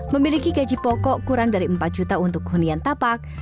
memiliki gaji pokok kurang dari empat juta untuk hunian tapak